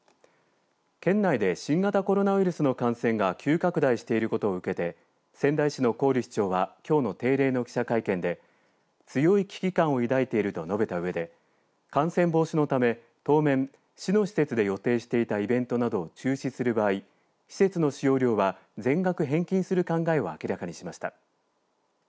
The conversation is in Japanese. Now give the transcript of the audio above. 県内で新型コロナウイルスの感染が急拡大していることを受けて仙台市の郡市長はきょうの定例の記者会見で強い危機感を抱いていると述べたうえで感染防止のため当面、市の施設で予定していたイベントなどを中止する場合施設の使用料は、全額返金する考えを明らかにしました。